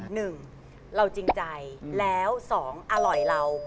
หนึ่งเราจริงใจแล้วสองอร่อยเรา